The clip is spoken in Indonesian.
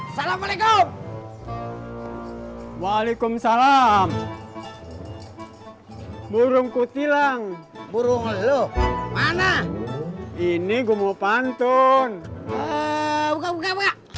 salamualaikum waalaikumsalam burung kutilang burung lu mana ini gua mau pantun buka buka